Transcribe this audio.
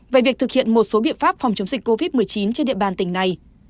về việc thực hiện một số biện pháp phòng chống dịch covid một mươi chín trên địa bàn tỉnh này